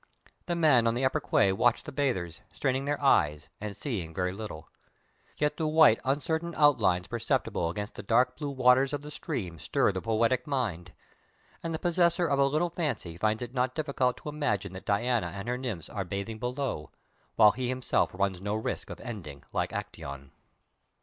The men on the upper quay watch the bathers, straining their eyes, and seeing very little. Yet the white uncertain outlines perceptible against the dark blue waters of the stream stir the poetic mind, and the possessor of a little fancy finds it not difficult to imagine that Diana and her nymphs are bathing below, while he himself runs no risk of ending like Acteon.